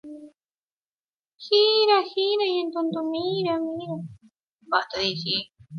Tiene piernas largas y delgadas, son terrestres y nocturnos.